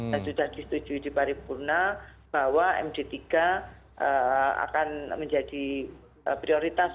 dan sudah disetujui di paripurna bahwa md tiga akan menjadi prioritas